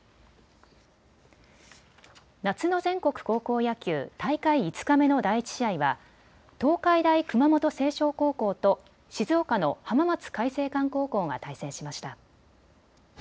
夏の全国高校野球、大会５日目の第１試合は東海大熊本星翔高校と静岡の浜松開誠館高校が対戦しました。